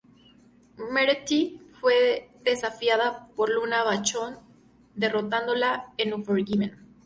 Moretti fue desafiada por Luna Vachon derrotándola en Unforgiven.